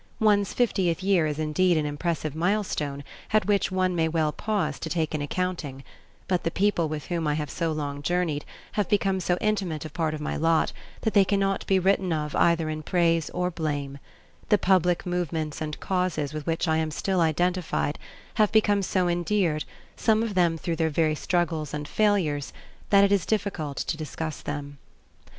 One's fiftieth year is indeed an impressive milestone at which one may well pause to take an accounting, but the people with whom I have so long journeyed have become so intimate a part of my lot that they cannot be written of either in praise or blame; the public movements and causes with which I am still identified have become so endeared, some of them through their very struggles and failures, that it is difficult to discuss them.